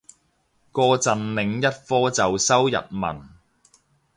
個陣另一科就修日文